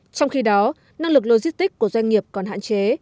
trong khi đó năng lực logistics của doanh nghiệp còn hạn chế